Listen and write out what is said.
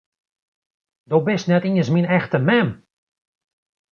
Do bist net iens myn echte mem!